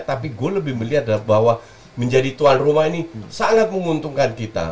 tapi gue lebih melihat bahwa menjadi tuan rumah ini sangat menguntungkan kita